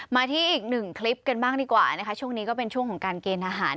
มาที่อีกหนึ่งคลิปกันบ้างดีกว่านะคะช่วงนี้ก็เป็นช่วงของการเกณฑ์อาหาร